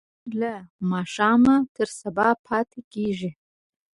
پنېر له ماښامه تر سبا پاتې کېږي.